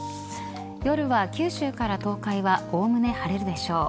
夜は九州から東海はおおむね晴れるでしょう。